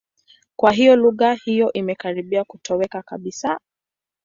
Kwa hiyo lugha hiyo imekaribia kutoweka kabisa.